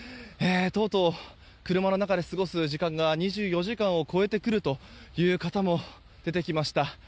とうとう車の中で過ごす時間が２４時間を超えてくる方も出てきました。